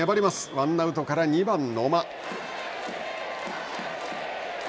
ワンアウトから２番野間。